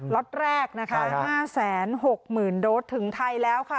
ล็อตแรกนะคะห้าแสนหกหมื่นโดสถึงไทยแล้วค่ะ